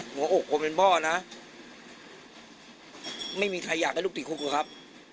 หัวอกคนเป็นพ่อนะไม่มีใครอยากได้ลูกติดคุกครับ